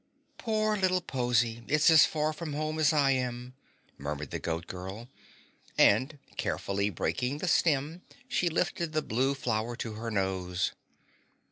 "Poor little posy, it's as far from home as I am," murmured the Goat Girl, and carefully breaking the stem, she lifted the blue flower to her nose.